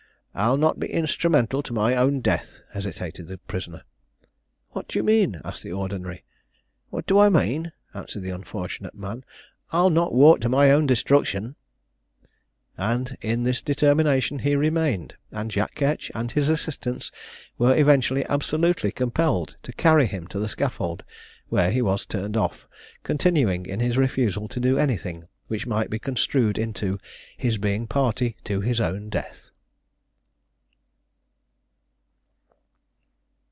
"I'll not be instrumental to my own death," hesitated the prisoner. "What do you mean?" asked the ordinary. "What do I mane?" answered the unfortunate man. "I'll not walk to my own destruction;" and in this determination he remained, and Jack Ketch and his assistants were eventually absolutely compelled to carry him to the scaffold, where he was turned off, continuing in his refusal to do anything which might be construed into "his being a party to his own death."